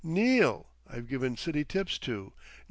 Neal I've given city tips to!